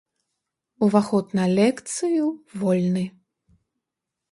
Уваход на лекцыю вольны!